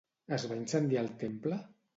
Es va incendiar el temple?